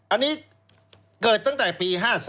อันนี้เกิดตั้งแต่ปี๕๓